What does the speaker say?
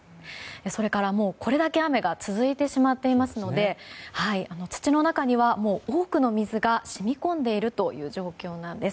それから、これだけ雨が続いてしまっていますので土の中には多くの水が染み込んでいるという状況なんです。